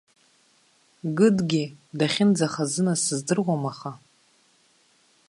Гыдгьы дахьынӡахазыназ сыздыруам аха.